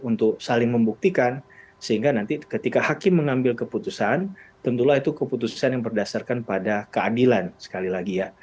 untuk saling membuktikan sehingga nanti ketika hakim mengambil keputusan tentulah itu keputusan yang berdasarkan pada keadilan sekali lagi ya